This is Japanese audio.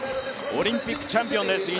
オリンピックチャンピオンです